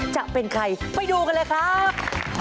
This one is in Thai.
จะเป็นใครไปดูกันเลยครับ